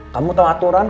kamu tau aturan